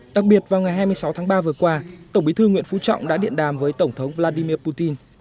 đặc biệt vào ngày hai mươi sáu tháng ba vừa qua tổng bí thư nguyễn phú trọng đã điện đàm với tổng thống vladimir putin